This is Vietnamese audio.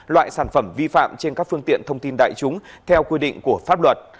loại sản phẩm vi phạm trên các phương tiện thông tin đại chúng theo quy định của pháp luật